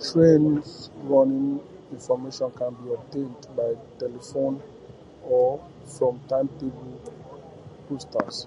Train running information can be obtained by telephone or from timetable posters.